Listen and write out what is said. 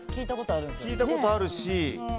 Ａも聞いたことあるし。